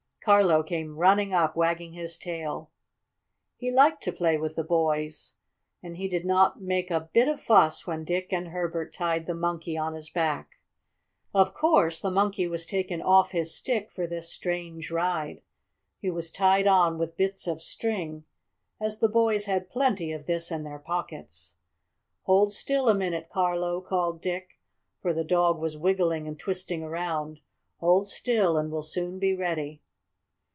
Carlo came running up, wagging his tail. He liked to play with the boys, and he did not make a bit of fuss when Dick and Herbert tied the Monkey on his back. Of course the Monkey was taken off his stick for this strange ride. He was tied on with bits of string, as the boys had plenty of this in their pockets. "Hold still a minute, Carlo!" called Dick, for the dog was wiggling and twisting around. "Hold still and we'll soon be ready."